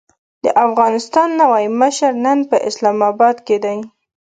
د افغانستان نوی مشر نن په اسلام اباد کې دی.